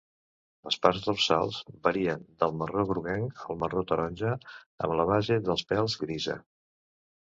Les parts dorsals varien del marró-groguenc al marró-taronja amb la base dels pèls grisa.